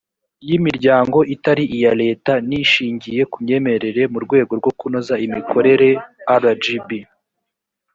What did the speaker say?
y imiryango itari iya leta n ishingiye ku myemerere mu rwego rwo kunoza imikorere rgb